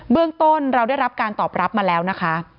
เรื่องต้นเราได้รับการตอบรับมาแล้วนะคะ